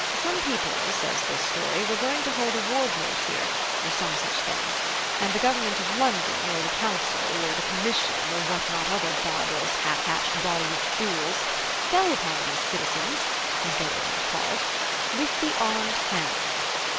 Some people, says this story, were going to hold a ward mote here, or some such thing, and the Government of London, or the Council, or the Commission, or what not other barbarous half hatched body of fools, fell upon these citizens (as they were then called) with the armed hand.